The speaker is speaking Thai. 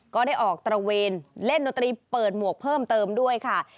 ก็ได้ออกตระเวนเล่นดนตรีเปิดหมวกเพิ่มเติมด้วยค่ะ